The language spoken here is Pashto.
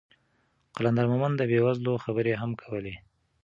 قلندر مومند د بې وزلو خبرې هم کولې.